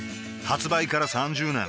発売から３０年